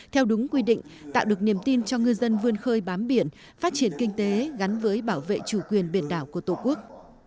theo đúng quy định tạo được niềm tin cho ngư dân vươn khơi bám biển phát triển kinh tế gắn với bảo vệ chủ quyền biển đảo của tổ quốc